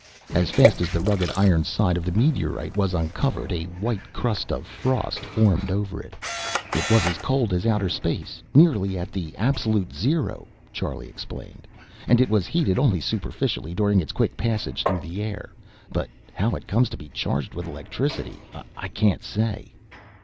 As fast as the rugged iron side of the meteorite was uncovered, a white crust of frost formed over it. "It was as cold as outer space, nearly at the absolute zero," Charlie explained. "And it was heated only superficially during its quick passage through the air. But how it comes to be charged with electricity I can't say."